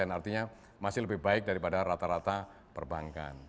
artinya masih lebih baik daripada rata rata perbankan